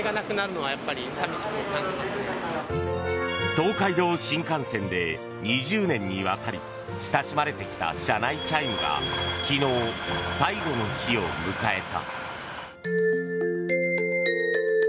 東海道新幹線で２０年にわたり親しまれてきた車内チャイムが昨日、最後の日を迎えた。